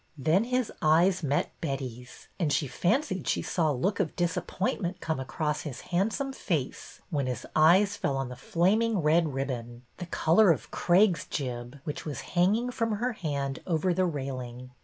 Then his eyes met Betty's, and she fancied she saw a look of disappointment cross his handsome face when his eyes fell on the flaming red ribbon, the color of Craig's jib, which was hanging from her hand over the railing.